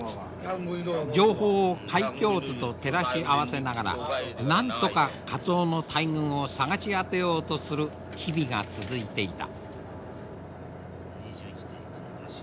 情報を海況図と照らし合わせながらなんとかカツオの大群を探し当てようとする日々が続いていた。